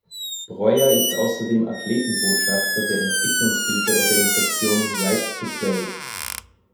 Breuer ist außerdem Athletenbotschafter der Entwicklungshilfeorganisation Right to Play.